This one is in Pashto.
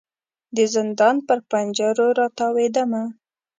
د زندان پر پنجرو را تاویدمه